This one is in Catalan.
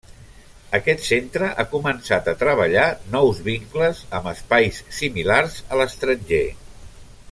Aquest centre ha començat a treballar nous vincles amb espais similars a l'estranger.